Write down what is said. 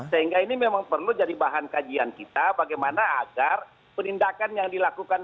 sehingga ini memang perlu jadi bahan kajian kita bagaimana agar penindakan yang dilakukan